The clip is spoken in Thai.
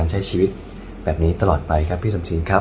แล้ววันนี้ผมมีสิ่งหนึ่งนะครับเป็นตัวแทนกำลังใจจากผมเล็กน้อยครับ